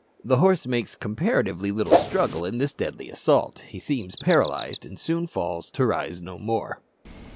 The horse makes comparatively little struggle in this deadly assault; he seems paralyzed, and soon falls to rise no more.